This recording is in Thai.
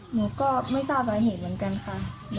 หนูก็ไม่ทราบสาเหตุเหมือนกันค่ะ